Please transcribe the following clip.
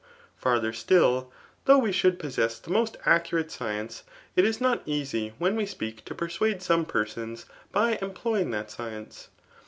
Fardier stilly though we should possess the most accurate adence, it is'not easy when we speak to persuade some persons, by employing that science.